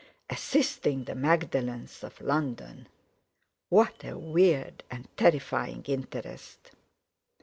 Assisting the Magdalenes of London! What a weird and terrifying interest!